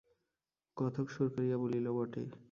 কথক সুর করিয়া বলিল বটে।